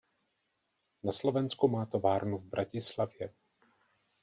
Na Slovensku má továrnu v Bratislavě.